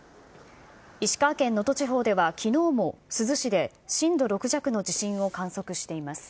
石川県能登地方ではきのうも珠洲市で震度６弱の地震を観測しています。